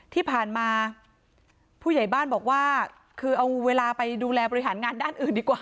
ที่ผ่านมาผู้ใหญ่บ้านบอกว่าคือเอาเวลาไปดูแลบริหารงานด้านอื่นดีกว่า